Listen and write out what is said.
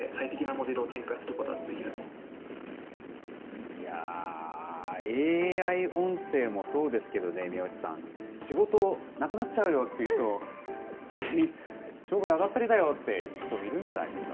いやー、ＡＩ音声もそうですけれどもね、宮内さん、仕事なくなっちゃうよっていう人、商売あがったりだよという人もいるんじゃないですか。